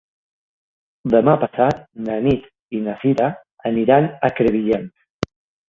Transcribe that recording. Demà passat na Nit i na Cira aniran a Crevillent.